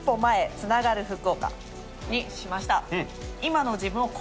繋がる福岡！！」にしました。